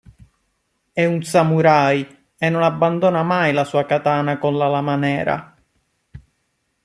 È un samurai e non abbandona mai la sua katana con la lama nera.